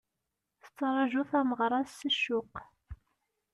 Tettraǧu tameɣra-s s ccuq.